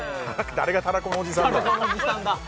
誰がたらこのおじさんだよたらこ